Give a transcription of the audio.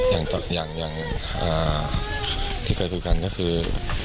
อย่างที่เคยคุยกันก็คือ